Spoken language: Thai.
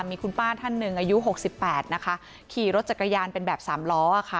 มีคุณป้าท่านหนึ่งอายุ๖๘นะคะขี่รถจักรยานเป็นแบบสามล้อค่ะ